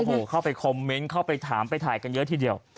โอ้โหเข้าไปคอมเมนต์เข้าไปถามไปถ่ายกันเยอะทีเดียว